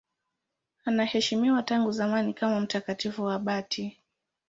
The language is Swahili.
Anaheshimiwa tangu zamani kama mtakatifu abati.